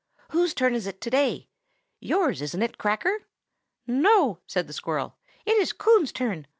Whose turn is it to day? Yours, isn't it, Cracker?" "No," said the squirrel. "It is Coon's turn.